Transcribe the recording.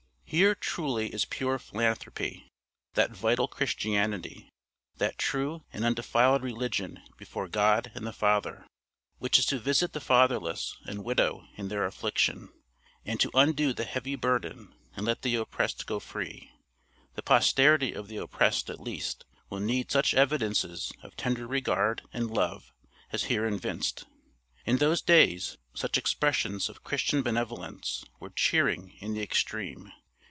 Here, truly, is pure philanthropy, that vital Christianity, that True and Undefiled Religion before God and the Father, which is to visit the fatherless and widow in their affliction, and to undo the heavy burden, and let the oppressed go free. The posterity of the oppressed at least, will need such evidences of tender regard and love as here evinced. In those days, such expressions of Christian benevolence were cheering in the extreme.